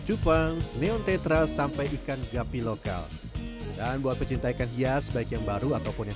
cupang neon tetra sampai ikan gapi lokal dan buat pecinta ikan hias baik yang baru ataupun yang